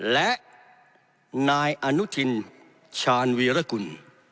และนายอนุทินชาญวีรกุล